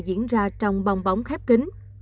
diễn ra trong bong bóng khép kính